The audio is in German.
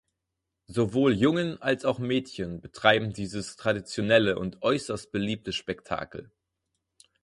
Sowohl Jungen als auch Mädchen betreiben dieses traditionelle und äußerst beliebte Spektakel.